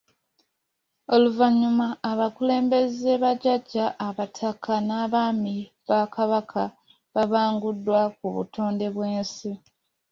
Oluvannyuma abakulembeze, bajjajja abataka n’abaami ba Kabaka babanguddwa ku butonde bw’ensi.